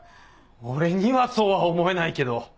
俺にはそうは思えないけど。